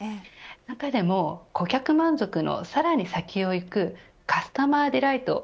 中でも顧客満足のさらに先をいくカスタマーディライト